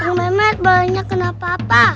bang mehmet baliknya kena papa